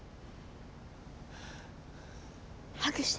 ハグして！